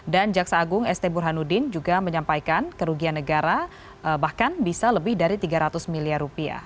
dan jaksa agung st burhanuddin juga menyampaikan kerugian negara bahkan bisa lebih dari tiga ratus miliar rupiah